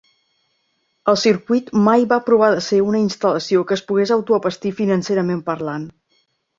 El circuit mai va provar de ser una instal·lació que es pogués autoabastir financerament parlant.